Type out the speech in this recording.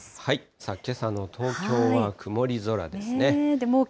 さあ、けさの東京は曇り空ですね。